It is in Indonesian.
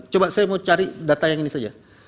coba saya mau cari data yang ini saja